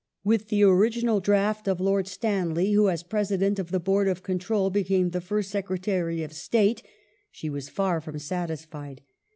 With the original draft of Lord Stanley, who as President of the Board of Control became the fii st Secretary of State, she was far from satisfied.